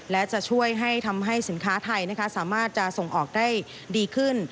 และจะช่วยให้ทำให้สินค้าไทยสามารถจะส่งออกได้ดีขึ้น